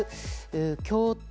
京都